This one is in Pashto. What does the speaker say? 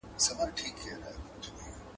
توري دي لالا کوي، مزې دي عبدالله کوي.